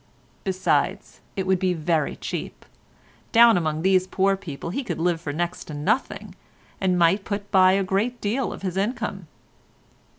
Besides, it would be very cheap; down among these poor people he could live for next to nothing, and might put by a great deal of his income.